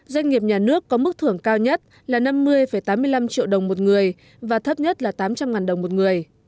doanh nghiệp nhà nước có mức thưởng cao nhất là năm mươi tám mươi năm triệu đồng một người và thấp nhất là tám trăm linh đồng một người